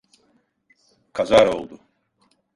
Kazara oldu.